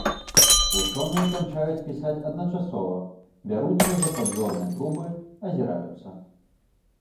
Вучоныя канчаюць пісаць адначасова, бяруцца за падзорныя трубы, азіраюцца.